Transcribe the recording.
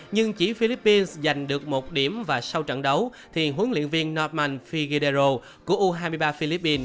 nhưng chỉ philippines giành được một điểm và sau trận đấu thì huấn luyện viên northman figudearo của u hai mươi ba philippines